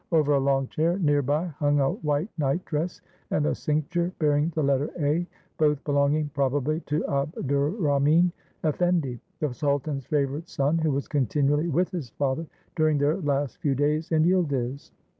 Over a long chair near by hung a white night dress and a cincture bearing the letter "A," both belonging prob ably to Abdurrahmin Effendi, the sultan's favorite son, who was continually with his father during their last few days in Yildiz.